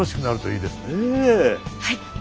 はい。